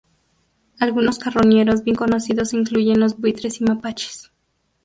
Algunos carroñeros bien conocidos incluyen los buitres y mapaches.